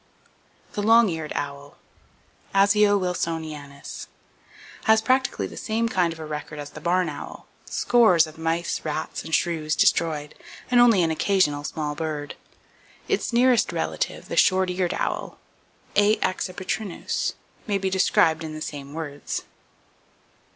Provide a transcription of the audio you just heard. The Long Eared Owl, (Asio wilsonianus) has practically the same kind of a record as the barn owl,—scores of mice, rats and shrews [Page 225] destroyed, and only an occasional small bird. Its nearest relative, the Short eared Owl (A. accipitrinus) may be described in the same words.